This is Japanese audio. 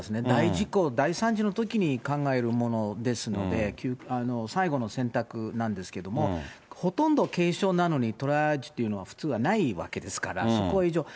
大事故、大参事のときに考えるものですので、最後の選択なんですけども、ほとんど軽症なのに、トリアージというのは普通はないわけですから、そこは異常。